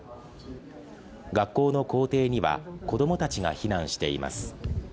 学校の校庭には、子供たちが避難しています。